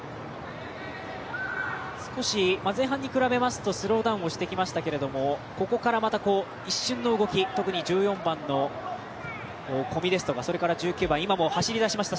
少し前半に比べますとスローダウンをしてきましたけれどもここから、一瞬の動き特に１４番の小見ですとか１９番、今も走り出しました